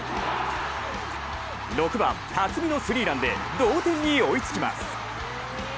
６番・辰巳のスリーランで同点に追いつきます。